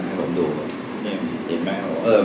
ให้ผมดูเห็นไหม